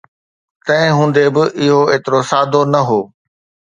تنهن هوندي به، اهو ايترو سادو نه هو